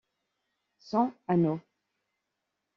Sans anneau.